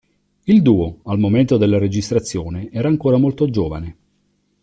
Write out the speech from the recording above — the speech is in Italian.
Il duo, al momento della registrazione, era ancora molto giovane.